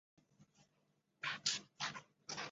苍山假瘤蕨为水龙骨科假瘤蕨属下的一个种。